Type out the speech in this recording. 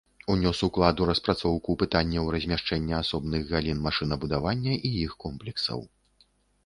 Унёс уклад у распрацоўку пытанняў размяшчэння асобных галін машынабудавання і іх комплексаў.